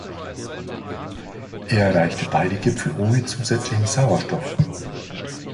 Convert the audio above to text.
Sie erreichte beide Gipfel ohne zusätzlichen Sauerstoff.